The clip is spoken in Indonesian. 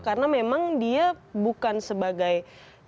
karena memang dia bukan sebagai status justice collaborator